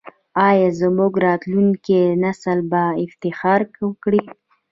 آیا زموږ راتلونکی نسل به افتخار وکړي؟